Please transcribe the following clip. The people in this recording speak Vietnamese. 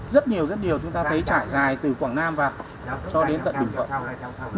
rất nhiều rất nhiều chúng ta thấy trải dài từ quảng nam và cho đến tận bình vận